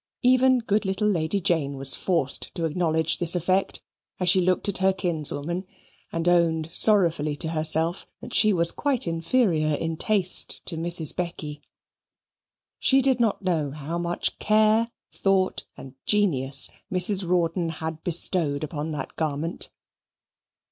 Even good little Lady Jane was forced to acknowledge this effect, as she looked at her kinswoman, and owned sorrowfully to herself that she was quite inferior in taste to Mrs. Becky. She did not know how much care, thought, and genius Mrs. Rawdon had bestowed upon that garment.